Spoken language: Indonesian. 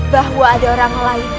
bahwa ada orang yang bisa membuktikan